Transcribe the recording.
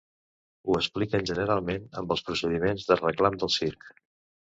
Ho expliquen generalment amb els procediments de reclam del circ.